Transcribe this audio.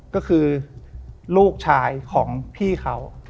ก็คือลูกชายของพี่เขา